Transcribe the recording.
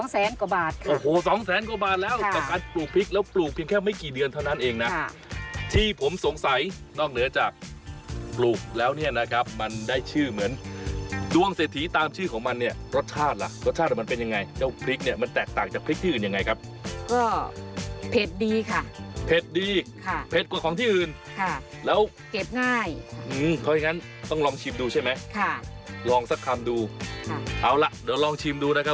๒แสนกว่าบาทครับโอ้โห๒แสนกว่าบาทแล้วต่อการปลูกพริกแล้วปลูกเพียงแค่ไม่กี่เดือนเท่านั้นเองนะค่ะที่ผมสงสัยนอกเหนือจากปลูกแล้วเนี่ยนะครับมันได้ชื่อเหมือนดวงเศรษฐีตามชื่อของมันเนี่ยรสชาติละรสชาติมันเป็นยังไงเจ้าพริกเนี่ยมันแตกต่างจากพริกที่อื่นยังไงครับก็